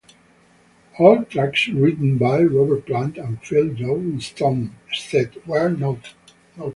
All tracks written by Robert Plant and Phil Johnstone, except where noted.